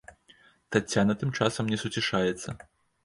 Таццяна тым часам не суцішаецца.